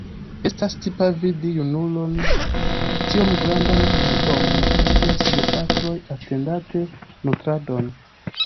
Estas tipa vidi junulon tiom grandan kiom ties gepatroj atendante nutradon.